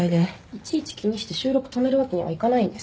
いちいち気にして収録止めるわけにはいかないんです。